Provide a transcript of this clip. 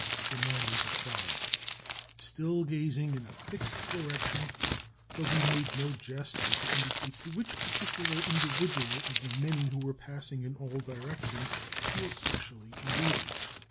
demanded the friar, still gazing in a fixed direction, though he made no gesture to indicate to which particular individual of the many who were passing in all directions, he especially alluded.